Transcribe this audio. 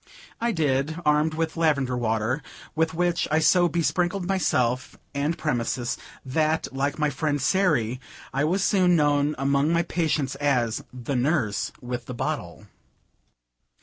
I did, armed with lavender water, with which I so besprinkled myself and premises, that, like my friend Sairy, I was soon known among my patients as "the nurse with the bottle."